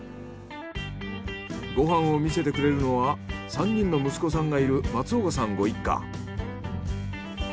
ご飯を見せてくれるのは３人の息子さんがいる松岡さんご一家。